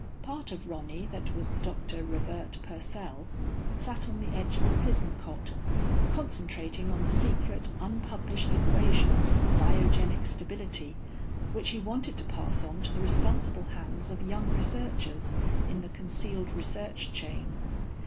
Part of Ronny that was Doctor Revert Purcell sat on the edge of a prison cot, concentrating on secret unpublished equations of biogenic stability which he wanted to pass on to the responsible hands of young researchers in the concealed research chain.